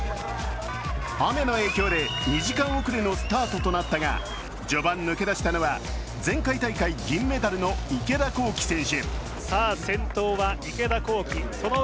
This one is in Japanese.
雨の影響で２時間遅れのスタートとなったが、序盤抜け出したのは前回大会銀メダルの池田向希選手。